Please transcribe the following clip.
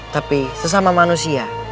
tapi sesama manusia